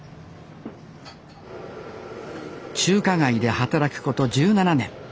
中華街で働くこと１７年。